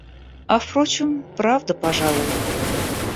А впрочем, правда, пожалуй.